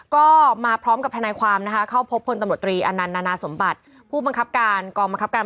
ก็มาพร้อมกับธนายความนะคะเข้าพบคนตำรวจรีอนนสมบัติผู้บังคับการ